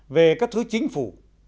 ba về các thứ chính phủ